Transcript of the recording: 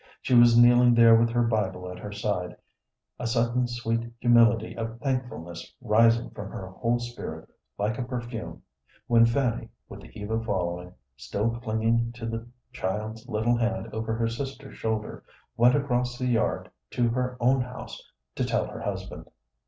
She was kneeling there with her Bible at her side, a sudden sweet humility of thankfulness rising from her whole spirit like a perfume, when Fanny, with Eva following, still clinging to the child's little hand over her sister's shoulder, went across the yard to her own house to tell her husband.